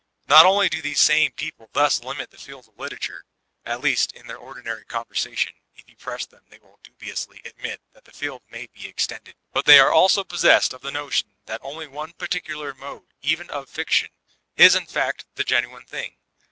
Not only do these same people thus limit the field of literature, (at least in their ordinary conversation, — if you press them they wiU dubiously admit that the field may be extended) but they are also possessed of the notion that only one particular mode even of fiction, is in fact the genuine thing.